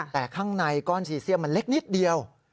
แต่ข้างในก้อนซีเซียมมันเล็กนิดเดียว